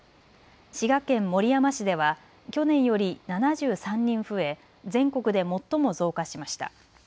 滋賀県守山市では去年より７３人増え全国で最も増加しました。